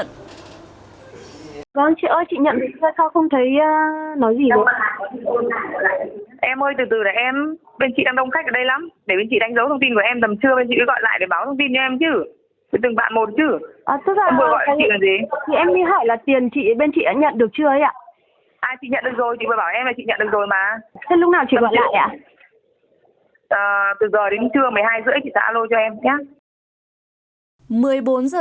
từ giờ đến trưa một mươi hai h ba mươi chị tả alo cho em nhé